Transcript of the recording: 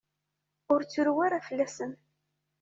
Ur ttru ara fell-asen.